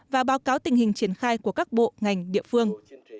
và báo cáo tình hình triển khai của các bộ ngành địa phương